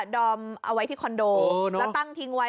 ดอมเอาไว้ที่คอนโดแล้วตั้งทิ้งไว้